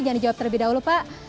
jangan dijawab terlebih dahulu pak